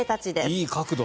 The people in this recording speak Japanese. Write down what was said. いい角度。